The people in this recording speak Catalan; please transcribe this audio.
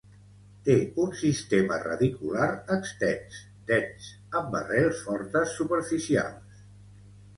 Té un sistema radicular extens, dens, amb arrels fortes superficials.